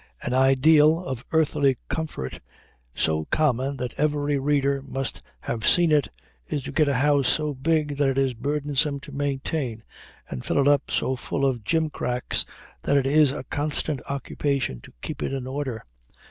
An ideal of earthly comfort, so common that every reader must have seen it, is to get a house so big that it is burdensome to maintain, and fill it up so full of jimcracks that it is a constant occupation to keep it in order.